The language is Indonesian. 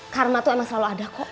karma tuh emang selalu ada kok